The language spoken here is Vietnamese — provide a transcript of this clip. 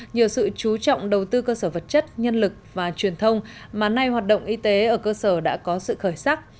nhờ sự chú trọng đầu tư cơ sở vật chất nhân lực và truyền thông mà nay hoạt động y tế ở cơ sở đã có sự khởi sắc